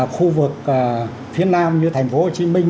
khu vực phía nam như thành phố hồ chí minh